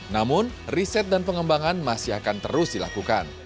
namun riset dan pengembangan masih akan terus dilakukan